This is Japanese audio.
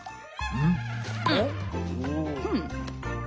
うん。